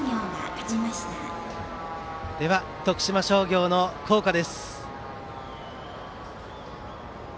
では、徳島商業の校歌です。